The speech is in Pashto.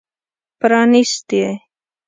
پرانیستي